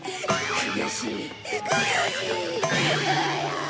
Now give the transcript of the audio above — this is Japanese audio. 悔しいっ！